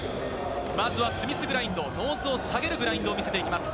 まずはスミスグラインド、ノーズを下げるグラインドを見せます。